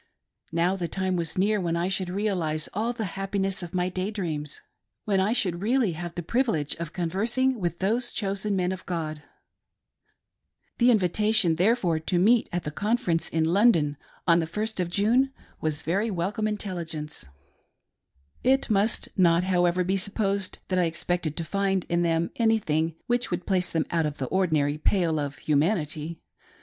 Now the time was near when I shoidd realise all the happiness of my day dreams — when I should really have the privilege of conversing with those chosen men of God. The invitation, therefore, to meet the conference in London on the first of June, was very welcome intelligence. THE LONDON CONFERENCE. QI It must not, however, be supposed that I expected to find in them anything which would place them out of the ordinary pale of humanity.